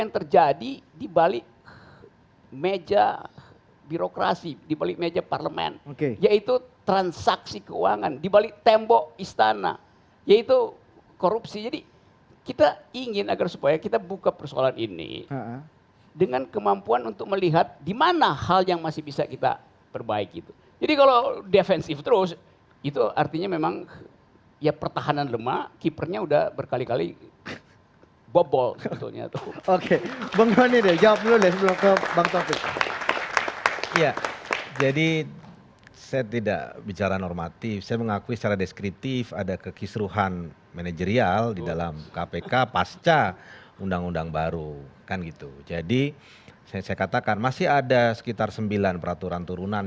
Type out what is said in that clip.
termasuk tadi ada petisi di cse org misalnya meminta pak lauli diperhatikan